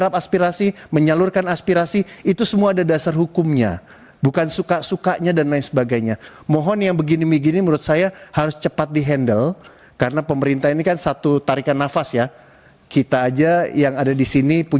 tapi pencairannya seringkali di